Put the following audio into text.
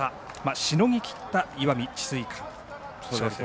しのぎきった、石見智翠館。